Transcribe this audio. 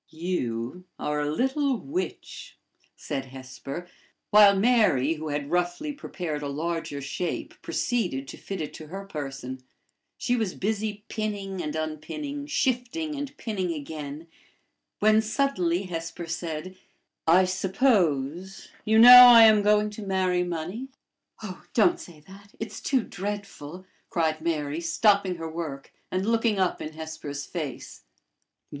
"You are a little witch!" said Hesper; while Mary, who had roughly prepared a larger shape, proceeded to fit it to her person. She was busy pinning and unpinning, shifting and pinning again, when suddenly Hesper said: "I suppose you know I am going to marry money?" "Oh! don't say that. It's too dreadful!" cried Mary, stopping her work, and looking up in Hesper's face.